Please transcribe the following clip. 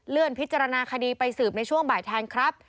พิจารณาคดีไปสืบในช่วงบ่ายแทนครับ